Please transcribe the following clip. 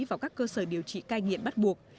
vào các cơ sở điều trị cai nghiện bắt buộc